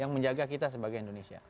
yang menjaga kita sebagai indonesia